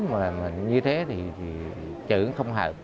mà như thế thì chữ không hợp